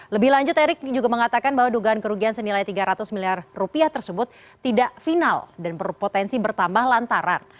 lebih lanjut erick juga mengatakan bahwa dugaan kerugian senilai tiga ratus miliar rupiah tersebut tidak final dan berpotensi bertambah lantaran